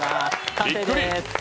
完成でーす。